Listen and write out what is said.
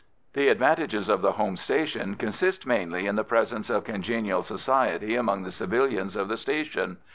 The advantages of the home station consist mainly in the presence of congenial society among the civilians of the station.